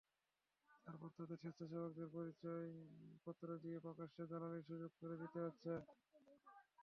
এরপর তাঁদের স্বেচ্ছাসেবকের পরিচয়পত্র দিয়ে প্রকাশ্যে দালালির সুযোগ করে দিতে হচ্ছে।